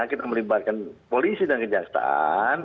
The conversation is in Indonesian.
kita melibatkan polisi dan kejaksaan